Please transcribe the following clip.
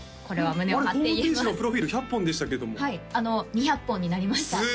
ホームページのプロフィール１００本でしたけどもはいあの２００本になりました